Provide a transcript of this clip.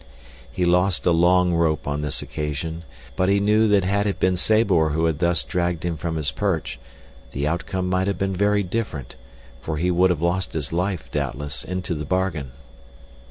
He lost a long rope on this occasion, but he knew that had it been Sabor who had thus dragged him from his perch the outcome might have been very different, for he would have lost his life, doubtless, into the bargain.